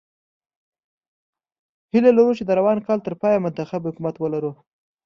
هیله لرو چې د روان کال تر پایه منتخب حکومت ولرو.